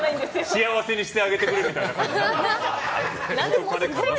幸せにしてあげてくれみたいな感じ。